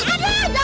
aduh jangan kabur